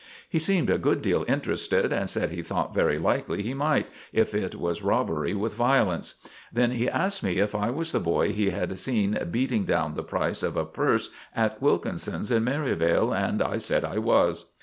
He seemed a good deal interested, and said he thought very likely he might, if it was robbery with violence. Then he asked me if I was the boy he had seen beating down the price of a purse at Wilkinson's in Merivale, and I said I was.